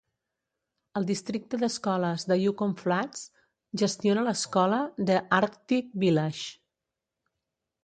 El districte d'escoles de Yukon Flats gestiona l'Escola de Arctic Village.